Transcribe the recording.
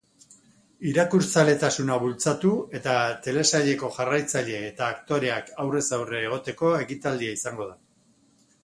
Irakurzaletasuna bultzatu eta telesaileko jarraitzaile eta aktoreak aurrez aurre egoteko ekitaldia izango da.